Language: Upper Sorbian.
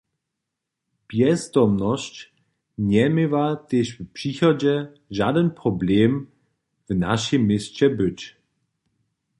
Bjezdomnosć njeměła tež w přichodźe žadyn problem w našim měsće być.